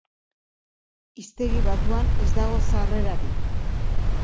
Hiztegi batuan ez dago sarrerarik.